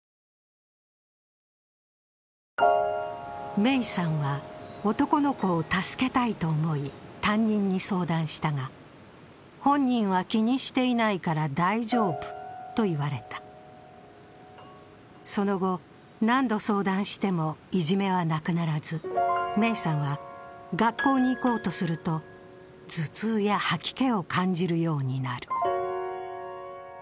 芽生さんは、男の子を助けたいと思い、担任に相談したが本人は気にしていないから大丈夫と言われたるその後、何度相談しても、いじめはなくならず、芽生さんは、学校に行こうとすると頭痛や吐き気を感じるようになる。